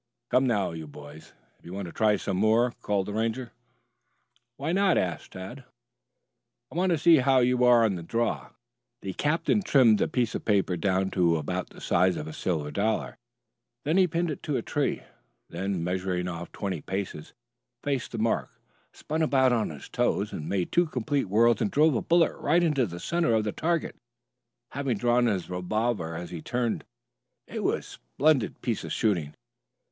"Come now, you boys, if you want to try some more," called the Ranger. "What now?" asked Tad. "I want to see how you are on the draw quick." The captain trimmed a piece of paper down to about the size of a silver dollar. This he pinned to a tree, then measuring off twenty paces, faced the mark, spun about on his toes, making two complete whirls and drove a bullet right into the center of the target, having drawn his revolver as he turned. It was a splendid piece of shooting.